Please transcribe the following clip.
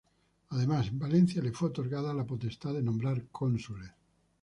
Además, en Valencia le fue otorgada la potestad de nombrar cónsules.